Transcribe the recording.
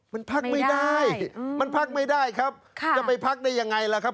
มันพักไม่ได้มันพักไม่ได้ครับจะไปพักได้ยังไงล่ะครับ